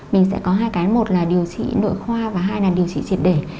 mình sẽ có hai cái một là điều trị nội khoa và hai là điều trị triệt để